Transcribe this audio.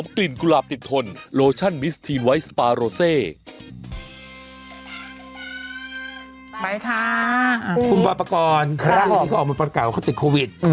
คุณปราปรกรครั้งที่เขาออกมาประกันว่าเขาติดโควิด